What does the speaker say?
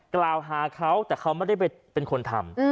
กล่าวหาเขาแต่เขาไม่ได้เป็นคนทำ